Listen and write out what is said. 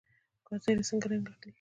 ګازرې څنګه رنګ اخلي؟